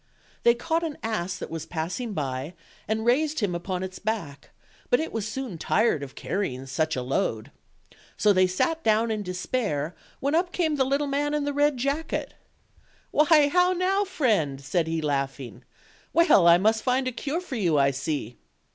They caught an ass that was passing by, and raised him upon its back; but it was soon tired of carrying such a load. So they sat down in despair, when up came the little man in the red jacket. "Why, now now, friend?" said he, laughing; "well, I must find a cure for you, I see."